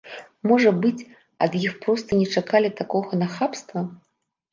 Можа быць, ад іх проста не чакалі такога нахабства?